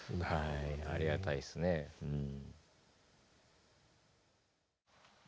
ありがたいっすねえうん。